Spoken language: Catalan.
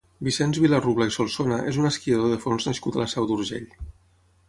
Vicenç Vilarrubla i Solsona és un esquiador de fons nascut a la Seu d'Urgell.